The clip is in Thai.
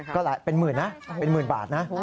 ก็เป็นหมื่นนะเป็นหมื่นบาทนะ